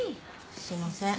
すいません。